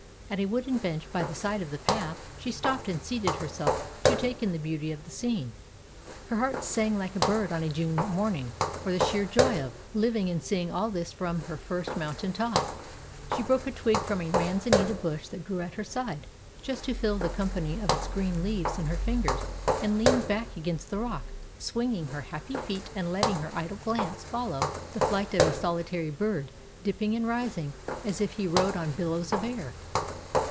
At a wooden bench by the side of the path she stopped and seated herself to take in the beauty of the scene. Her heart sang like a bird on a June morning for the sheer joy of living and seeing all this from her first moun tain top. She broke a twig from a m'anzanita bush that grew at her side, just to feel the company of its green leaves in her fingers, and leaned back against the rock, swinging her happy feet and letting her idle glance follow 214 A CALIFORNIA SEA DOG the flight of a solitary bird dipping and ris ing as if he rode on billows of air.